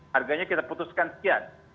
harganya kita putuskan sekian